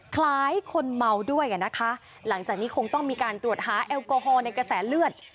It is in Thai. คล้ายคนเมาด้วยอ่ะนะคะหลังจากนี้คงต้องมีการตรวจหาแอลกอฮอลในกระแสเลือด